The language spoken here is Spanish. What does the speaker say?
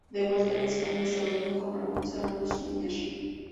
De vuelta en España se reunió con Ramón Serrano Súñer.